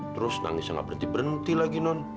terus nangisnya nggak berhenti berhenti lagi non